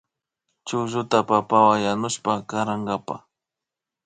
Chuklluta papata yanushpa karankapa